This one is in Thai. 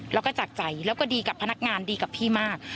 แล้วก็จากใจแล้วก็ดีกับพนักงานดีกับพี่มาก